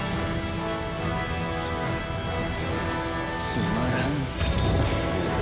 つまらん。